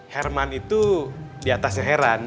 herman itu di atasnya heran